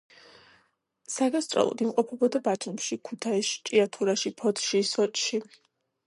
საგასტროლოდ იმყოფებოდა ბათუმში, ქუთაისში, ჭიათურაში, ფოთში, სოჭში.